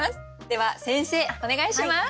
では先生お願いします。